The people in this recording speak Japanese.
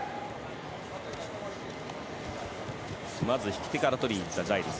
まず、引き手からとりにいったジャイルズ。